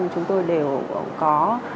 chúng tôi đều có